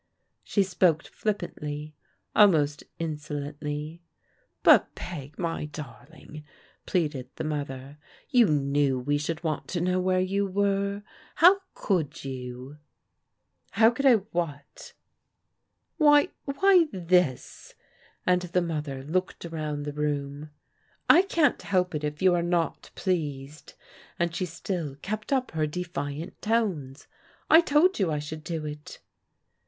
She spoke flippantly, almost insolently. "But, Peg, my darling," pleaded the mother, "you knew we should want to know where you were. How could you ?" "How could I what?" " Why — ^why this," and the mother looked around the room. I can't help it if you are not pleased," and she still kept up her defiant tones. " I told you I should do it."